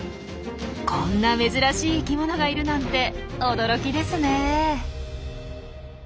こんな珍しい生きものがいるなんて驚きですね。